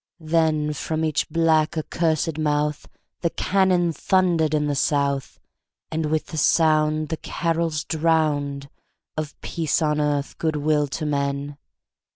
Then from each black, accursed mouth The cannon thundered in the South, And with the sound The carols drowned Of peace on earth, good will to men!